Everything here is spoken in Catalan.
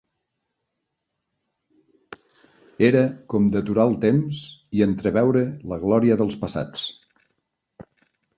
Era com deturar el temps i entreveure la glòria dels passats